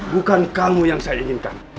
bukan kamu yang saya inginkan